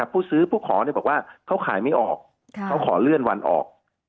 ผู้ซื้อผู้ขอบอกว่าเขาขายไม่ออกเขาขอเลื่อนวันออก